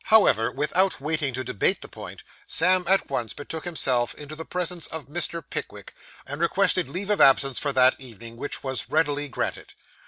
However, without waiting to debate the point, Sam at once betook himself into the presence of Mr. Pickwick, and requested leave of absence for that evening, which was readily granted.